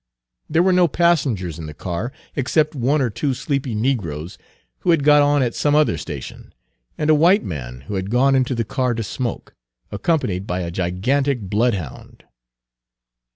There were no passengers in the car except one or two sleepy negroes, who had got on at some other station, and a white man who had gone into the car to smoke, accompanied by a gigantic bloodhound.